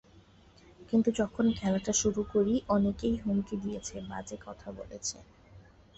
কিন্তু যখন খেলাটা শুরু করি অনেকেই হুমকি দিয়েছে, বাজে কথা বলেছে।